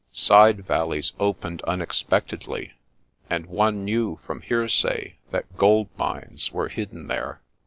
Side valleys opened unexpectedly, and one knew from hearsay that gold mines were hidden there.